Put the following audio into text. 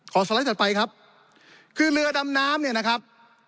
สไลด์ถัดไปครับคือเรือดำน้ำเนี่ยนะครับ